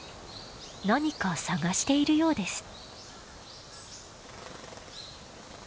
何か探しているようです。